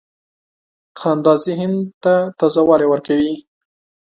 • خندا ذهن ته تازه والی ورکوي.